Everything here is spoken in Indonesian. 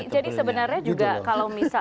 jadi sebenarnya juga kalau misalnya